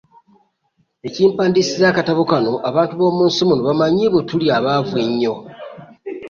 Ekimpandiisizza akatabo kano, abantu b'omu nsi muno bamanye bwe tuli abaavu ennyo.